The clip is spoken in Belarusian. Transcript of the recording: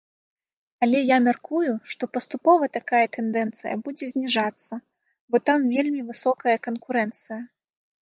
Але, я мяркую, што паступова такая тэндэнцыя будзе зніжацца, бо там вельмі высокая канкурэнцыя.